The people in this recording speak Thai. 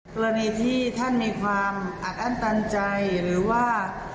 กรณีที่ท่านมีความอัดอั้นตันใจหรือว่า